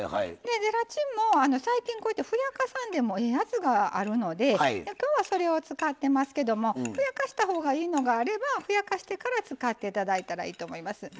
ゼラチンも最近ふやかさんでもええやつがあるのできょうは、それを使ってますけどふやかしたほうがいいのがあればふやかしてから使ったらいいと思います。